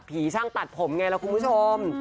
ผีช่างตัดผมุงาม์ไงระคุณผู้ชม